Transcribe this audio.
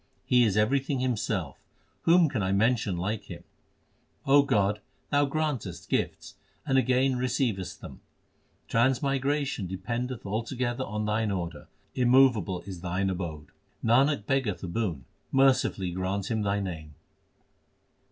He is everything Himself ; whom can I mention like Him? God, Thou grantest gifts, and again receivest them. Transmigration dependeth altogether on Thine order ; immovable is Thine abode. Nanak beggeth a boon ; mercifully grant him Thy name.